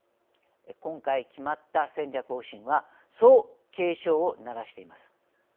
今回決まった戦略方針はそう警鐘を鳴らしています。